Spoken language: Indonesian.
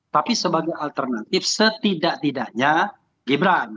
tapi sebagai alternatif setidak tidaknya gibran